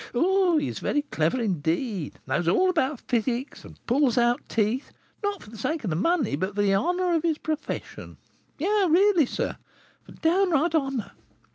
Oh, he is very clever, indeed! knows all about physic; and pulls out teeth, not for the sake of the money but the honour of his profession, yes, really, sir, for downright honour.